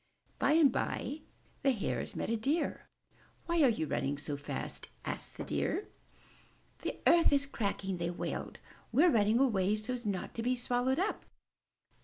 By and by the Hares met a Deer. ''Why are you all running so fast?*' asked the Deer. 'The earth is cracking!" they wailed. We*re running away so's not to be swallowed up!"